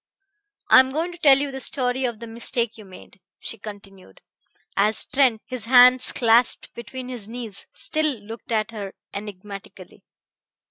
"I am going to tell you the story of the mistake you made," she continued, as Trent, his hands clasped between his knees, still looked at her enigmatically.